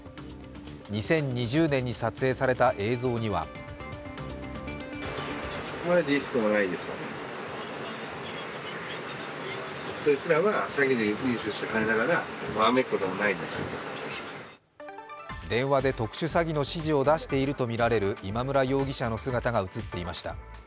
２０２０年に撮影された映像には電話で特殊詐欺の指示を出しているとみられる今村容疑者の姿が映っていました。